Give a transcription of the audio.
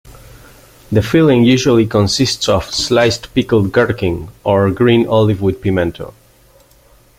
The filling usually consists of sliced pickled gherkin, or green olive with pimento.